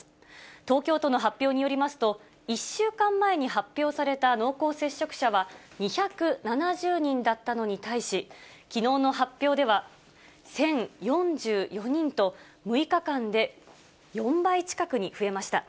東京都の発表によりますと、１週間前に発表された濃厚接触者は、２７０人だったのに対し、きのうの発表では、１０４４人と、６日間で４倍近くに増えました。